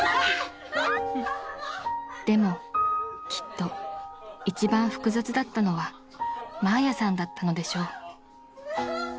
［でもきっと一番複雑だったのはマーヤさんだったのでしょう］